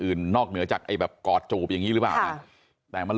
นอกเหนือจากไอ้แบบกอดจูบอย่างนี้หรือเปล่านะแต่มัน